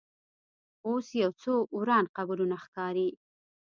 اوس یو څو وران قبرونه ښکاري.